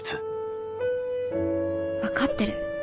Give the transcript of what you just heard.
分かってる。